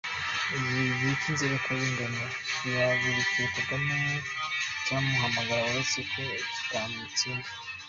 Icyo gice cy’inzirakarengane gihagurukiye Kagame cyamuhagama uretse ko kitamutsinda.